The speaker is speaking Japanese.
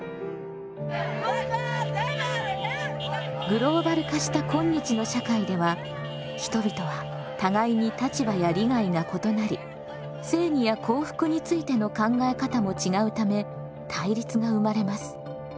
グローバル化した今日の社会では人々は互いに立場や利害が異なり正義や幸福についての考え方も違うため対立が生まれます。